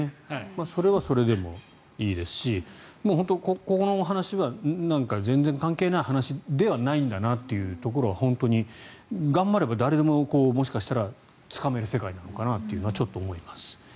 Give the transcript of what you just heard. それはそれでもいいですし本当にここのお話は全然関係ない話ではないというのは本当に、頑張れば誰でももしかしたらつかめる世界なのかなとはちょっと思います。